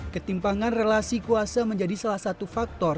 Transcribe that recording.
ketimpangan relasi kuasa menjadi salah satu faktor